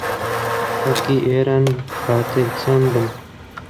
خەڵکی ئێران خاترجەم بن